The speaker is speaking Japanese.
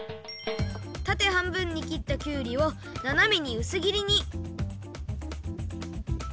たてはんぶんにきったきゅうりをななめにうすぎりに。